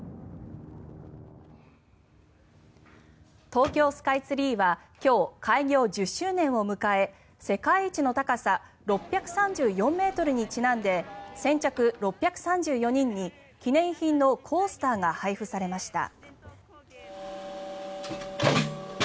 東京スカイツリーは今日、開業１０周年を迎え世界一の高さ６３４ｍにちなんで先着６３４人に記念品のコースターが配布されました。